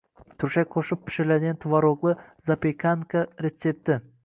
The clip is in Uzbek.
Turshak qo‘shib pishiriladigan tvorogli zapekanka retsepti